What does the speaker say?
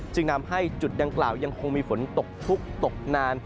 จึงนำให้จุดดังกล่าวยังคงมีฝนตกชุกตกนาน